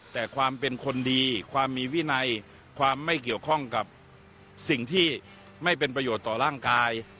แต่ความเป็นคนดีความมีวินัยความไม่เกี่ยวข้องกับสิ่งที่ไม่เป็นประโยชน์ต่อร่างกาย